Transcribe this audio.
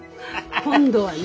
今度はね